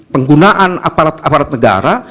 penggunaan aparat aparat negara